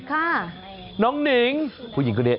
หมอกิตติวัตรว่ายังไงบ้างมาเป็นผู้ทานที่นี่แล้วอยากรู้สึกยังไงบ้าง